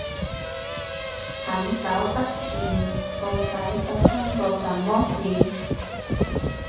很久不見，到底發生過什麼事